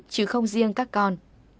chứ không riêng các con